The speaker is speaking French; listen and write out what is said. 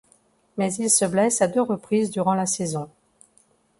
Mais il se blesse à deux reprises durant la saison.